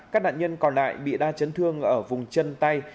các nạn nhân còn lại bị đa chấn thương ở vùng chân tay